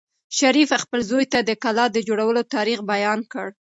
شریف خپل زوی ته د کلا د جوړولو تاریخ بیان کړ.